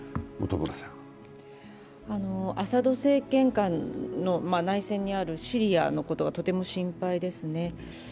アサド政権下の内戦にあるシリアのことがとても心配ですね。